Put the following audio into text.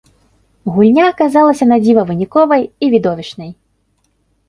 Гульня аказалася надзіва выніковай і відовішчнай.